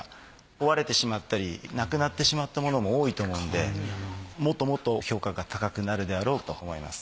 壊れてしまったりなくなってしまったものも多いと思うんでもっともっと評価が高くなるであろうと思います。